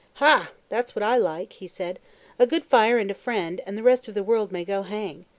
"Ha! That's what I like," he said, "a good fire and a friend, and the rest of the world may go hang.